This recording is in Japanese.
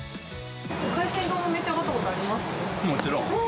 海鮮丼、召し上がったことあもちろん。